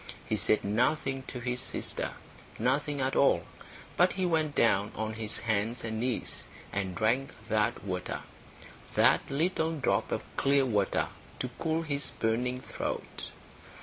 He said nothing to his sister, nothing at all. But he went down on his hands and knees and drank that water, that little drop of clear water, to cool his burning throat.